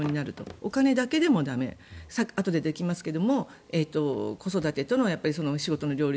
お金だけでも駄目あとで出てきますが子育てとお仕事の両立